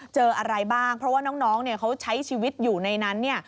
เจออะไรบ้างเพราะว่าน้องเขาใช้ชีวิตอยู่ในนั้น